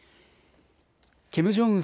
キム・ジョンウン